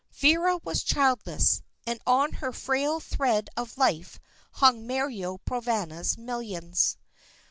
Vera was childless, and on her frail thread of life hung Mario Provana's millions.